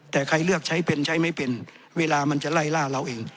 แต่ใครเลือกใช้เป็นใช้ไม่เป็นเวลามันจะไล่ล่าเราเอง